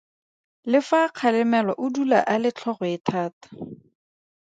Le fa a kgalemelwa o dula a le tlhogoethata.